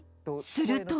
［すると］